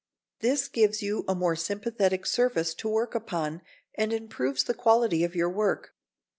This gives you a more sympathetic surface to work upon and improves the quality of your work.